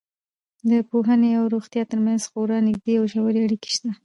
د پوهنې او روغتیا تر منځ خورا نږدې او ژورې اړیکې شته.